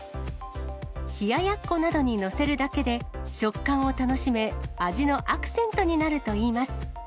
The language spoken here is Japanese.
冷ややっこなどに載せるだけで食感を楽しめ、味のアクセントになるといいます。